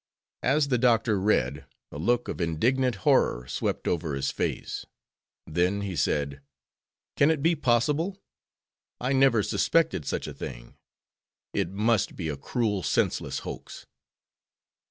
As the doctor read, a look of indignant horror swept over his face. Then he said: "Can it be possible! I never suspected such a thing. It must be a cruel, senseless hoax."